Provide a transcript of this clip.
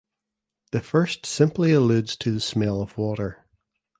The first simply alludes to the smell of water.